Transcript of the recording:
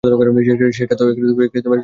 সেটা তো আমরা জানিই!